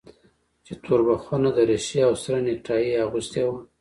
چې توربخونه دريشي او سره نيكټايي يې اغوستې وه.